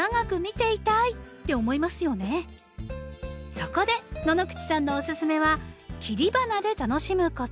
そこで野々口さんのおすすめは切り花で楽しむこと。